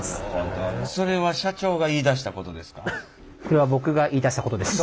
これは僕が言いだしたことです。